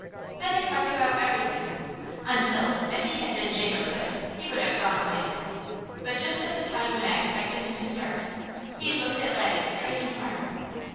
Then they talked about everything; until if he had been Jacob Hood, he would have gone away. But just at the time when I expected him to start, he looked at Laddie straight and hard.